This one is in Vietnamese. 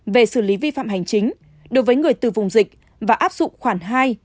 về xử lý vi phạm hành chính đối với người từ vùng dịch và áp dụng khoản hai một mươi bốn một trăm một mươi bảy